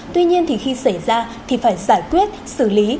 tuy nhiên thì khi xảy ra thì phải giải quyết xử lý